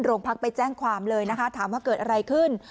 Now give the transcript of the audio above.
โรงพักไปแจ้งความเลยนะคะถามว่าเกิดอะไรขึ้น